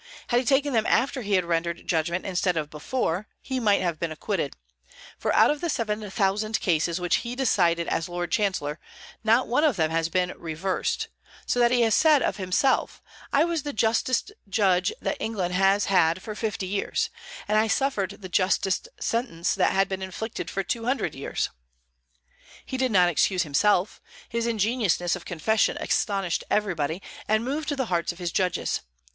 Had he taken them after he had rendered judgment instead of before, he might have been acquitted; for out of the seven thousand cases which he decided as Lord Chancellor, not one of them has been reversed: so that he said of himself, "I was the justest judge that England has had for fifty years; and I suffered the justest sentence that had been inflicted for two hundred years." He did not excuse himself. His ingenuousness of confession astonished everybody, and moved the hearts of his judges.